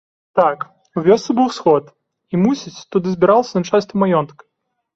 Так, у вёсцы быў сход і, мусіць, туды збіралася начальства маёнтка.